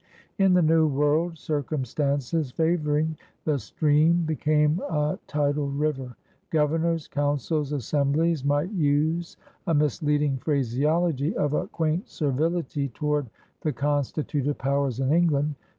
In the New World, circumstances favoring, the stream became a tidal river. Governors, councils, assem blies, might use a misleading phraseology of a quaint servility toward the constituted powers in England.